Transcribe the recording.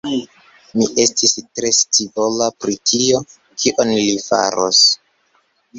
Mi estis tre scivola pri tio, kion li faros.